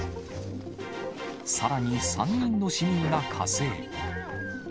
さらに３人の市民が加勢。